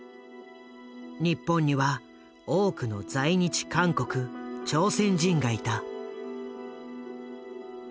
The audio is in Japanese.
日本には多くの在日韓国・朝鮮人がいた。